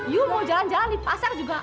yuk mau jalan jalan di pasar juga